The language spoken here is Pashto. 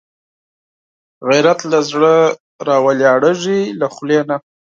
غیرت له زړه راولاړېږي، له خولې نه